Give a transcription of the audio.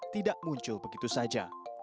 tidak muncul begitu saja